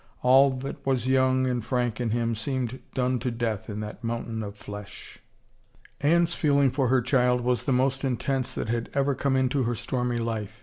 All that was young and frank in him seemed done to death in that mountain of flesh. Anne's feeling for her child was the most intense that had ever come into her stormy life.